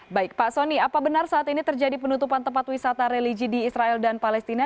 baik pak soni apa benar saat ini terjadi penutupan tempat wisata religi di israel dan palestina